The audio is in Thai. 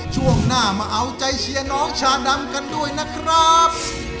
ช่วงหน้ามาเอาใจเชียร์น้องชาดำกันด้วยนะครับ